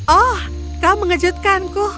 oh kau mengejutkanku